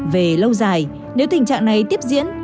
về lâu dài nếu tình trạng này tiếp diễn